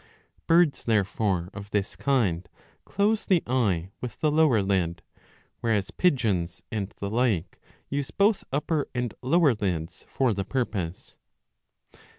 ^ Birds therefore of this kind close the eye with the lower lid ; whereas pigeons and the like use both upper and lower lids for the purpose.